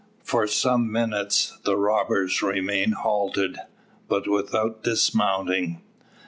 For some minutes the robbers remain halted, but without dismounting.